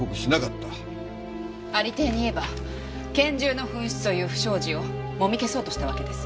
ありていに言えば拳銃の紛失という不祥事をもみ消そうとしたわけです。